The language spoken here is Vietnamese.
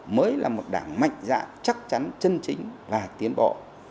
mới là một đảng mạnh dạng chắc chắn chân chính và tiến bộ